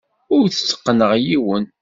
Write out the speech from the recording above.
Ur tteqqneɣ yiwen.